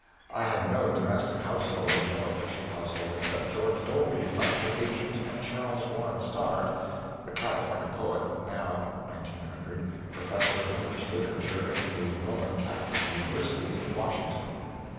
I had no domestic household, and no official household except George Dolby, lecture agent, and Charles Warren Stoddard, the California poet, now (1900) Professor of English Literature in the Roman Catholic University, Washington.